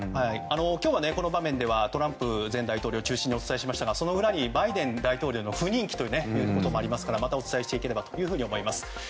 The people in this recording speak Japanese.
今日はこの場面ではトランプ前大統領を中心にお伝えしましたがその裏にバイデン大統領の不人気ということもありますからまたお伝えしていければと思います。